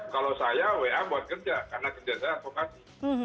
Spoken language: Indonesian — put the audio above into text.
kalau saya wa buat kerja karena kerja saya avokasi